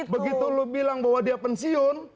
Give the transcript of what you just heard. begitu lo bilang bahwa dia pensiun